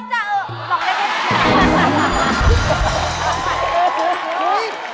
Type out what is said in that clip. เอ๊ะลองดิเก